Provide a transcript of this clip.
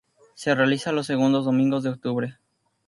Se realiza los segundos domingos de octubre.